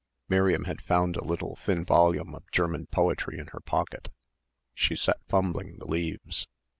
Miriam had found a little thin volume of German poetry in her pocket. She sat fumbling the leaves.